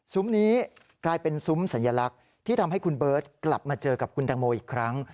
นี้กลายเป็นซุ้มสัญลักษณ์ที่ทำให้คุณเบิร์ตกลับมาเจอกับคุณแตงโมอีกครั้ง